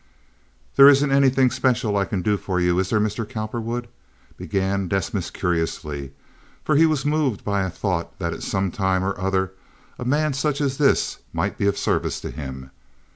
"There isn't anything special I can do for you, is there, Mr. Cowperwood?" began Desmas curiously, for he was moved by a thought that at some time or other a man such as this might be of service to him.